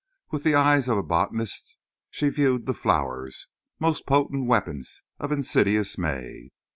With the eye of a botanist she viewed the flowers—most potent weapons of insidious May.